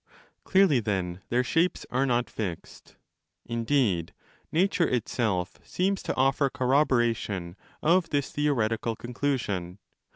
Clearly, then, their shapes are not fixed.'! Indeed, nature itself seems to offer corroboration of this theoretical con clusion.